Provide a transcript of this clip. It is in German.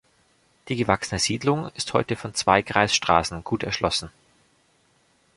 Die gewachsene Siedlung ist heute von zwei Kreisstraßen gut erschlossen.